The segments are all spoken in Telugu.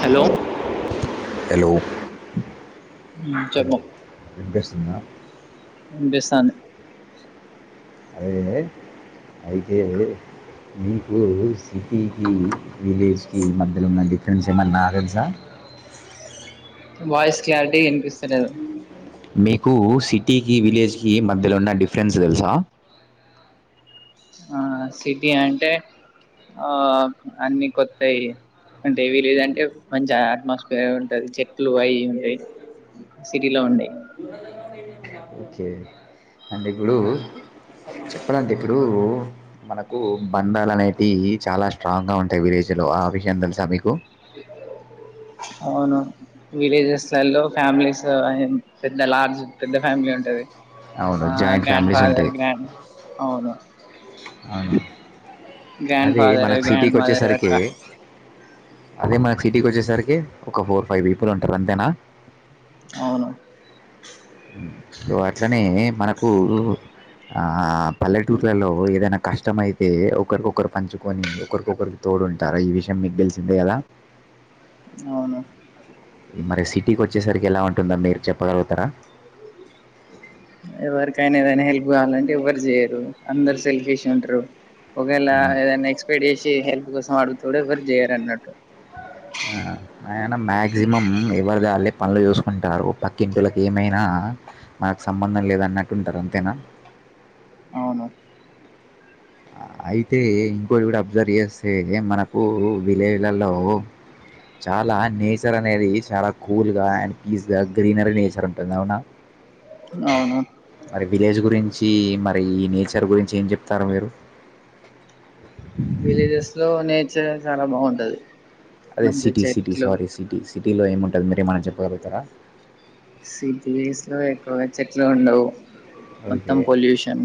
హలో హలో హలో ఎంపిస్తుంద బేశాను అదే అయికే అదు మీకు సిటీకి విలేజ్కి మధ్యలో ఉన్న డిఫరెన్స్ ఏమన్నా నారదుసా వాయిస్ క్లారిటీ కనిపిస్తలేదు మీకు సిటీకి విలేజ్కి మధ్యలో ఉన్న డిఫరెన్స్ తెలుసా ఆ సిటీ అంటే ఆ అన్నిీ కొత్తాయి అంటేవి లేదంటే మంచి అట్మాస్ఫియర్ ఉంటది చెట్లు అవి ఉయి ఓకే అంటే ఇప్పుడు చెప్పాలంటే ఇప్పుడు బంధాలు అనేవి మనకు చాలా స్ట్రాంగ్ గా ఉంటాయి విలేజ్ లో ఆ విషయం థెలుసా మీకు అవును విలేజెస్లలో ఫ్యామిలీస్ పెద్ద లార్జ్ పెద్ద ఫ్యామిలీ ఉంటుంది అవును ఆ జాయింట్ గ్రాండ్ ఫ్యామిలీస్ ఫాదర్ ఉంటాయి గ్రాండ్ అవును అవును గ్రాండ్ అది ఫాదర్ మనకు గ్రాండ్ సిటీకి మదర్ వచ్చేసరికి అట్లా అదే మనకు సిటీకి వచ్చేసరికి ఒక ఫోర్ ఫైవ్ పీపుల్ ఉంటారు అంతేనా అవును అట్లనే మనకు ఆ పల్లెటూర్లలో ఏదైనా కష్టం అయితే ఒకరికొకరు పంచుకొని ఒకరికొకరితో చూడుంటార ఈ విషయం మీకు తెెలిసిందే కదా అవును మరి సిటీకి వచ్చేసరికి ఎలా ఉంటోంది ఆండీ మీరు చెప్పగలుగుతారా కానీ ఏదైనా హెల్ప్ కావాలంటే ఎవ్వరు చేయరు అందరు సెల్ఫేష్ ఉంటారు ఒకేలా ఏదైనా ఎక్స్పైర్ చేసి హెల్ప్ కోసం ఆడుగుత ఎవరి చేయరు అన్నట్టు మక్సిమం ఎవరద పనులు చేూసుకుంటారు పక్కింటికి ఏమైనా మనకు సంబంధం లేద అన్నట్టు ఉంటారు అంతేనా అవును అయితే ఇంకోటి కూడా అబ్జర్వ్ చేస్తే మనకు విలేజ్‌లూ చాలా నేచర్ అనేది చాలా కూల్ గా అండ్ పీస్ గా గ్రీనరీ నేచర్ ఉంటుంది అవునా అవును మరి విలేజ్ గురి మంచి మరి ఈ నేచర్ గురించి ఏం చెప్తారు మీరు విలేజెస్ లో నేచర్ చాలా బాగుంటది అదే మంచి సిటీ సిటీ చెట్లు సారీ సిటీ సిటీలో ఏముంటుంది మీరే ఏమైన్నానా చెప్పగలుగుతారా సిటీస్ లో ఎక్కువగా చెట్లు ఉండవు ఓకే మొత్తం పొల్యూషన్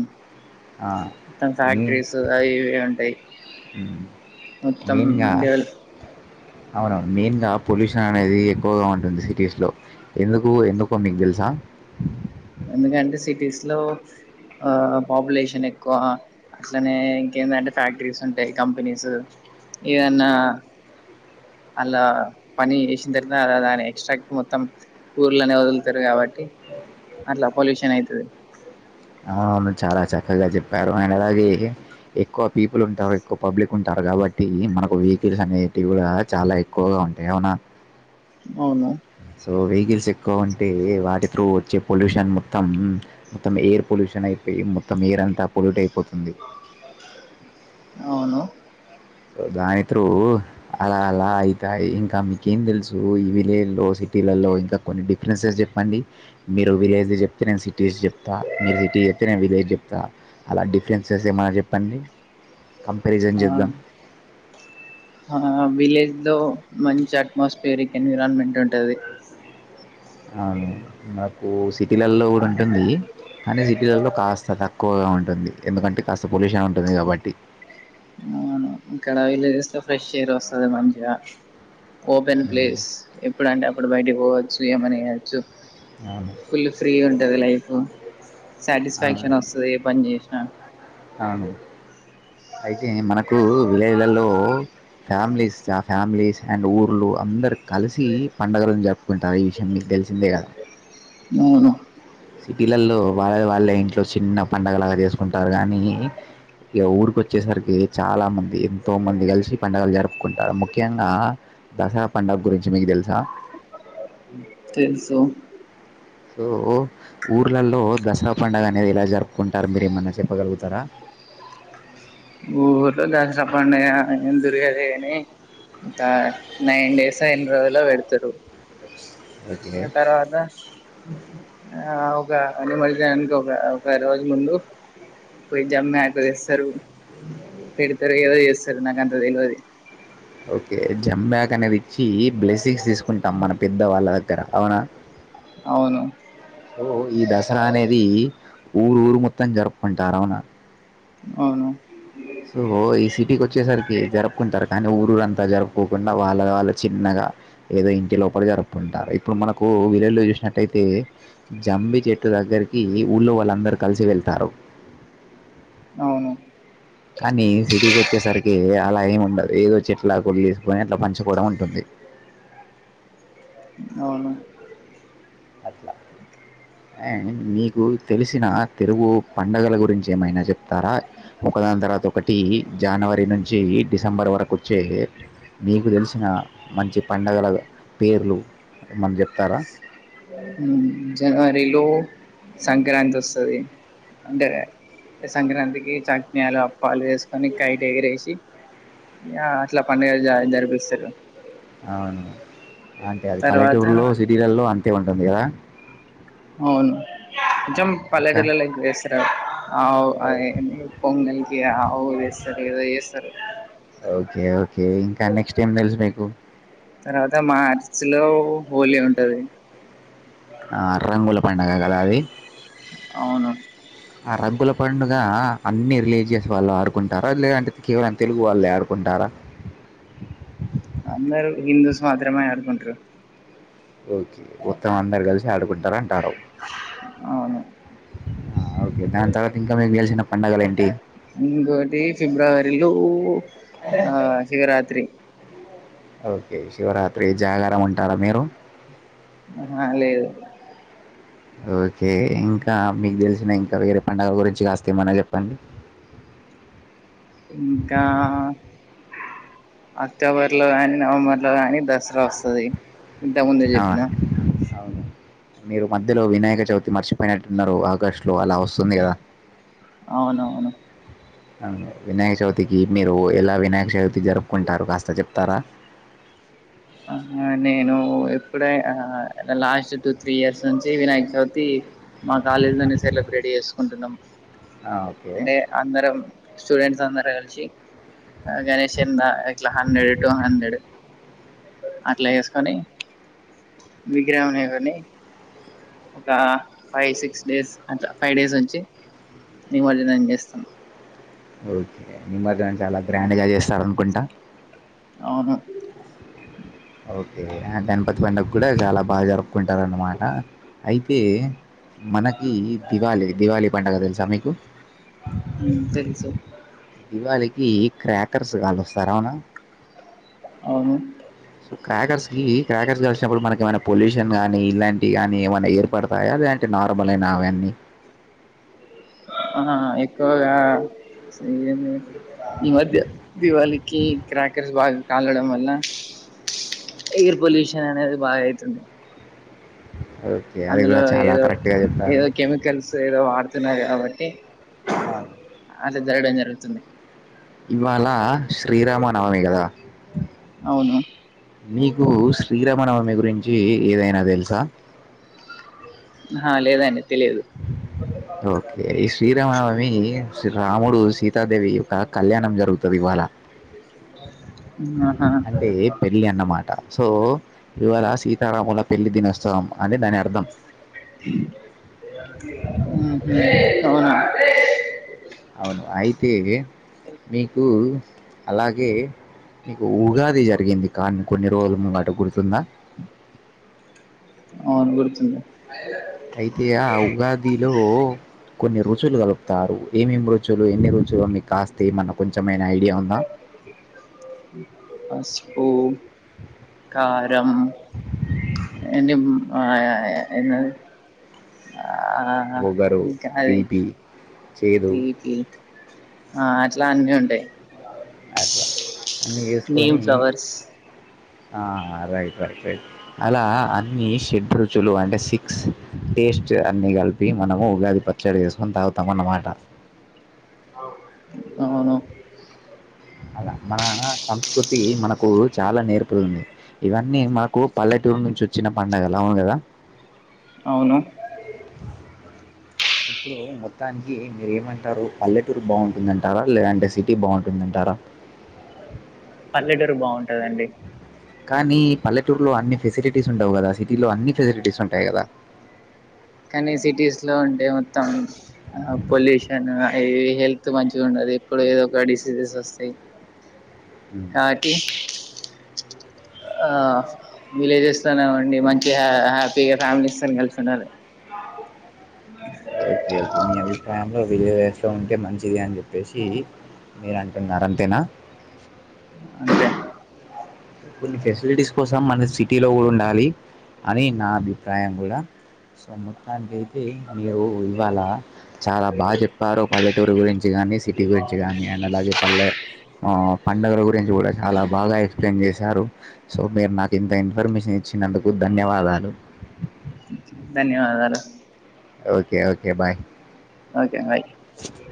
మొత్తం మెయిన్ ఫ్యాక్టరీస్ అవివి ఉంటాయి మొత్తం మెయిన్గా డెవలప్ అవును మెయిన్ గా పొల్యూషన్ అనేది ఎక్కువగా ఉంటుంది సిటీస్ లో ఎందుకు ఎందుకో మీకు తెలుసా ఎందుకంటే సిటీస్ లో ఆ పాపులేషన్ ఎక్కువ అట్లనే ఇంకేందంటే ఫ్యాక్టరీస్ ఉంటాయి కంపెనీస్ ఏదన్నా అలా పని చేేసిన తర్వాత అలా దాని ఎక్స్ట్రాక్ మొత్తం ఊర్లునే వదులుతారు కాబట్టి అట్లా పొల్యూషన్ అయితుది ఆ చాలా చక్కగా చెప్పారు అండ్ అలాగే ఎక్కువ పీపుల్ ఉంటారు ఎక్కువ పబ్లిక్ ఉంటారు కాబట్టి మనకు వెహికల్స్ అనేటివి కూడా చాలా ఎక్కువగా ఉంటాయి అవునా అవును సో వెహికల్స్ ఎక్కువ అంటే వాటి త్రూ వచ్చే పొల్యూషన్ మొత్తం మొత్తం ఎయిర్ పొల్యూషన్ షయి మొత్తం ఎయిర్ అంతా పొల్యూట్ అయిపోతుంది అవును సో దానిత్ర అలా అలా అయితాయి ఇంకా మీకేం తెలుసు ఇవిలే లో సిటీ స్లల్లో ఇంకా కొన్ని డిఫరెన్సెస్ చెప్పండి మీరు విలేజ్ చెప్తే నేను సిటీస్ చెప్తా మీరు సిటీ చెప్తేనేే విలేజ్ చెప్తాను అలా డిఫరెన్సెస్ ఏమైన్నా చెప్పండి కంపారిజన్ ఆ చేద్దాం ఆ విలేజ్ లో మంచి అట్మాస్ఫియర్ ఎన్విరాన్మెంట్ ఉంటది అవును మాకు సిటీలలో కూడా ఉంటుంది కానీ సిటీలలో కాస్త తక్కువగా ఉంటుంది ఎందుకంటే కాస్త పొల్యూషన్ ఉంటుంది కాబట్టి అవును ఇక్కడ విలేజెస్ లో ఫ్రెష్ ఎయిర్ వస్తాది మంచిగా ఓపెన్ ఉమ్, ప్లేస్ ఎప్పుడు అంటే అప్పుడు బయటకి పోవచ్చు ఏమన్న చేయచ్చు అవును ఫుల్ ఫ్రీ గా ఉంటుంది లైఫ్ సాటిస్ఫాక్షన్ వస్తాది ఏ పని చేసి ఆ అవునండి అయితే మనకు విలేజ్ లల్లో ఫ్యామిలీస్ ఆ ఫ్యామిలీస్ అండ్ ఊర్లు అందరు కలిసి పండుగలను జరుపుకుంటారు ఈ విషయం మీ తెలిసిందే కదా నవును సిటీలల్లో వాళ్ళ వాళ్ళే ఇంట్లో చిన్న పండగలాగా చేసుకుంటారు కానీ ఇక ఊరికి వచ్చేసరికి చాలా మంది ఎంతో మంది కలిసి పండుగలు జరుపుకుంటారు ముఖ్యంగా దసరా పండగ గురించి నీకు తెలుసా తెలుసు సో ఊర్లలో దసరా పండుగ అనేది ఎలా జరుపుకుంటారు మీరు ఏమన్నా చెప్పగలుగుతారా ఊర్లో దసరా పండగ ఏమ్ జరగదు కాని ఇంకా నైన్ డేస్ ఎన్ని రోజులో పెడతారు ఓకే ఆ తర్వాత ఆ వొగ అండ్ మళ్ళీ దానికి ఒక ఒక రోజు ముందు పొయి జమ్య ఆకు తేస్తారు పెడతారు ఏదొ చేస్తారు నాకు అంత తెలివది ఓకే జమ్య ఆకు అనేది ఇచ్చి బ్లెస్సింగ్స్ తీసుకుంటాం మనం పెద్ద వాళ్ళ దగ్గర అవునా అవును ఈ దసరా అనేది ఊరు ఊరు మొత్తం జరుపుకుంటారు అవునా అవును సో ఈ సిటీకి వచ్చేసరికి జరుపుకుంటారు కానీ ఊరురు అంతా జరుపుకోకుండా వాళ్ళ వాళ్ళే చిన్నగా ఏదో ఇంటి లోపల జరుపుకుంటారు ఇప్పుడు మనకు విలేజ్ లో చూసినట్టు అయితే జంబి చెట్టు చెట్టు దగ్గరికి ఊళ్ళో వాళ్ళందరు కలిసి వెళ్తారు అవును కానీ సిటీకి వచ్చేసరికి అలా ఏమి ఉండదు ఏదోచ్చి చెట్లా ఆకులు తీసుకని అట్లా పంచుకోవడం ఉంటుంది అవును అట్లా అండ్ మీకు తెలిసిన తెలుగు పండుగల గురించి ఏమైనా చెప్తారా ఒకదాని తర్వాత ఒకటి జనవరి నుంచి డిసెంబర్ వరకు వచ్చే నీకు తెలిసిన మంచి పండుగల పేర్లు ఏమన్న చెప్తారా అవును జనవరిలో సంక్రాంతి వస్తాది అంటే సంక్రాంతికి [unintelligible] పాలు వేసుకొని కైట్ ఎగిరేసి అట్లా పండుగ జరిపిస్తారు అవును అంటే అది తర్వాత పల్లెటూరులో సిటీలలో అంతే ఉంటుంది కదా అవును ఆ, అచ్చం ఇంకా పల్లెటుర్లలో ఎంజాయ్ చేస్తారు [unintelligible] అవు అది ఏంది పొంగల్కి అవు ఏస్తారు ఎదో ఏస్తారు ఓకే ఓకే ఇంకా నెక్స్ట్ ఏం తెలుసు మీకు తర్వాత మార్చి లో హోలీ ఉంటాది ఆ రంగుల పండుగ కదా అది అవునా ఆ రంగుల పండుగ అన్ని రిలీజియస్ వాళ్ళు ఆడుకుంటారా లేదంటే కేవలం తెలుగు వాళ్ళే ఆడుకుంటారా అందరు హిందూస్ మాత్రమే ఆడుకుంటారు ఓకే మొత్తం అందరు కలిసి ఆడుకుంటారు అంటారు అవును ఓకే దాని తర్వాత ఇంకా మీకు తెలిసిన పండగలు ఏంటి ఇంకోకటి ఫిబ్రవరిలో ఆ శివరాత్రి ఓకే శివరాత్రి జాగరం ఉంటారా మీరు అహ లేదు ఓకే ఇంకా మీకు తెలిసిన ఇంకా వేరే పండగ గురించి కాస్త ఏమన్న చెప్పండి ఇంకా అక్టోబర్ లో కానీ నవంబర్ లో కాని దసరా వస్తది ఇంతముందే ఆ చెప్పిన అవును మీరు మధ్యలో వినాయక చవితి మర్చిపోయినట్టున్నారు ఆగస్టు లో అలా వస్తుంది కదా అవునవును వినాయక చవితికి మీరు ఎలా వినాయక చవితి జరుపుకుంటారు కాస్త చెప్తారా ఆ నేను ఎప్పుడే ఆ లాస్ట్ టూ త్రీ ఇయర్స్ నుంచి వినాయక చవితి మా కాలేజ్ లోనే సెలెబ్రేట్ చేసుకుంటున్నాం ఆ ఓకే అంటే అందరం స్టూడెంట్స్ అందరం అంత కలిసి ఆ గణేష్ చంద ఇట్ల హండ్రెడు టూ హండ్రెడు అట్లా వేసుకొని విగ్రహం ని కొని ఒక ఫైవ్ సిక్స్ డేస్ అట్ల ఫైవ్ డేస్ ఉంచి నిమజ్జనం చేస్తం ఓకే నిమజ్జనం చాలా గ్రాండ్ గా చేస్తారు అనుకుంటా అవును ఓకే ఆ గణపతి పండగ కూడా చాలా బాగా జరుపుకుంటారు అన్నమాట అయితే మనకి దివాళి దివాళి పండగ తెలుసా మీకు ఊ తెలుసు దివాళికి క్రాకర్స్ కాలుస్తారు అవునా అవును సో క్రాకర్స్ కి క్రాకర్స్ కాల్చినప్పుడు మనకెమన పొల్యూషన్ గానీ ఇలాంటి టియి గని ఏమన్నా ఏర్పడతాయా లేదంటే నార్మల్ ఏనా అవన్నీ ఆహా హ ఎక్కువగా శ్రీరం [unintelligible] ఈ మధ్య దీపాళికి క్రాకర్స్ బాగా కాలడం వల్ల ఎయిర్ పొల్యూషన్ అనేది భాగాయితుంది ఓకే అది అందులో కూడా చాలా ఏదో కరెక్ట్గా చెప్పారు ఏదో కెమికల్స్ ఏదో వాడుతున్నారు కాబట్టి అవును అట్ల జరగడం జరుగుతుంది ఇవాళ శ్రీరామనవమి కదా అవును మీకు శ్రీరామనవమి గురించి ఏదైనా తెలుసా అహ లేదండి తెలియదు ఓకే ఈ శ్రీరామనవమి శ్రీ రాముడు సీతాదేవి గ కళ్యాణం జరుగుతది ఇవాళ ఆహా అంటే పెళ్ళి అన్నమాట సో ఇవాళ సీతారాముల పెళ్లి దినోత్సవం అని దాని అర్థం ఊహు అవునా అవును అయితే మీకు అలాగే నీకు ఉగాది జరిగింది కానీ కొన్ని రోజుల ముంగట గుర్తుందా అవును గుర్తుంది అయితే ఆ ఉగాదిలో కొన్ని రోజులు రుచులు కలుపుతారు ఏమేం రుచులు ఎన్ని రుచులో మీకు కాస్తే ఏమన్న కొంచెమై నా ఐడియా ఉందా పసుపు కారం ఏండ్ ఆ యా యా ఎన్ని రోజులు ఆ ఒగరు, ఇంకా అది తీపి, చేదు తీపి ఆ అట్లా అన్నీ ఉంటయ్ అట్లా అన్నీ వసుకొని నీమ్ ఫ్లవర్స్ ఆ రైట్ రైట్ రైట్ అలా అన్ని షెడ్ రుచులు అంటే సిక్స్ టేస్ట్ అన్ని కలిపి మనము ఉగాది పచ్చడి చేసుకొని తాగుతాం అన్నమాట అవునా అలా మన సంస్కృతి మనకు చాలా నేర్పుతుంది ఇవన్నీ మనకు పల్లెటూరు నుంచి చిన్న పడుగలావును కదా అవును ఇప్పుడు మొత్తానికి మీరు ఏమంటారు పల్లెటూరు బాగుంటుందంటారా లేదంటే సిటీ బాగుంటుందంటారా [inaudible] పల్లెటూరు బాగుంటందండి కానీ పల్లెటూరులో అన్ని ఫెసిలిటీస్ ఉండవు కదా సిటీలో అన్ని ఫెసిలిటీస్ ఉంటాయి కదా కానీ సిటీస్ లో ఉంటే మొత్తం ఆ పొల్యూషన్ అ హెల్త్ మంచిగా ఉండదు ఎప్పుడు ఏదో ఒక డిసీజెస్ వస్తాయి కాటి ఆ వీళ్ళజ్ స్ లోనేఉండి మంచి హ్యాపీగా ఫ్యామిలైస్ తోనే కలిసుంటారు ఓకే ఓకే మీ అభిప్రాయం విల్లెజెస్ లో ఉంటే మంచిది అని చెప్పేసి మీరు అంటున్నారు అంతేనా అదే కొన్ని ఫెసిలిటీస్ కోసం మన సిటీలో కూడా ఉండాలి అని నా అభిప్రాయం కూడా సో మొత్తానికి అయితే మీరు ఇవాళ చాలా బాగా చెప్పారు పల్లెటూరు గురించి కానీ సిటీ గురించి కాగానీ అండ్ అలాగే పల్లె ఆ పండుగల గురించి కూడా చాలా బాగా ఎక్సప్లయిన్ చేసి రు సో మీరు నాకు ఇంత ఇన్ఫర్మేషన్ ఇచ్చినందుకు ధన్యవాదాలు ధన్యవాదాలు okay okay bye okay bye